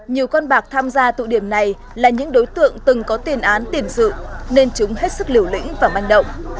nhiều con bạc tham gia tụ điểm này là những đối tượng từng có tiền án tiền sự nên chúng hết sức liều lĩnh và manh động